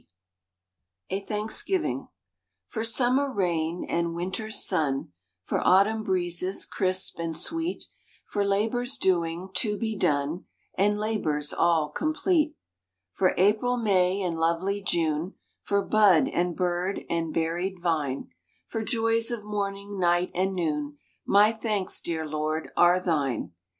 A THANKSGIVING FOR summer rain, and winter s sun, For autumn breezes crisp and sweet ; For labors doing, to be done, And labors all complete ; For April, May, and lovely June, For bud, and bird, and berried vine ; For joys of morning, night, and noon, My thanks, dear Lord, are Thine